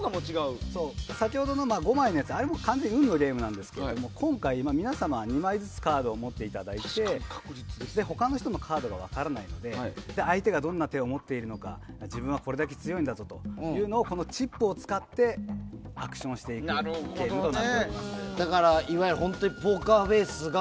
先ほどの５枚のやつは完全にルールのゲームですが今回皆様、２枚ずつカードを持っていただいて他の人のカードが分からないので相手がどんな手を持っているのか自分はこれだけ強いんだぞとこのチップを使ってアクションしていくゲームです。